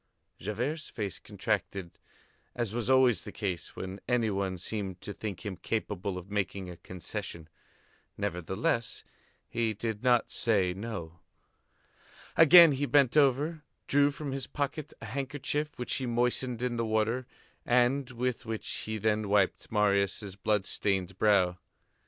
Javert's face contracted as was always the case when any one seemed to think him capable of making a concession. Nevertheless, he did not say "no." Again he bent over, drew from his pocket a handkerchief which he moistened in the water and with which he then wiped Marius' blood stained brow.